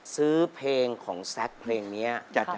ซื้อเพลงของแซคเพลงนี้